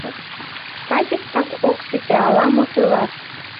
Садиктак ок сите ала-мо тылат.